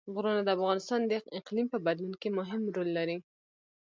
غرونه د افغانستان د اقلیم په بدلون کې مهم رول لري.